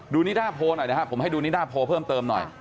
นิดาโพลหน่อยนะครับผมให้ดูนิด้าโพลเพิ่มเติมหน่อย